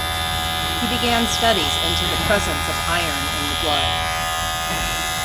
He began studies into the presence of iron in the blood.